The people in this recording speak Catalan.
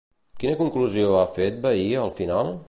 Quina conclusió ha fet Vehí al final?